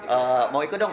eh mau ikut dong